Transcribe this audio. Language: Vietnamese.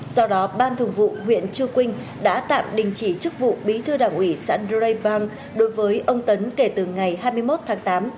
do đó ban thường vụ huyện chư quynh đã tạm đình chỉ chức vụ bí thư đảng ủy xã drei pang đối với ông tấn kể từ ngày hai mươi một tháng tám